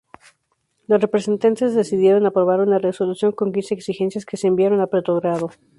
Los presentes decidieron aprobar una resolución con quince exigencias que se enviaron a Petrogrado.